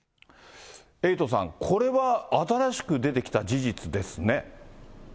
エイトさん、これは新しく出てきた事実ですね。